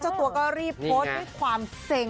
เจ้าตัวก็รีบโพสในความเศร้ง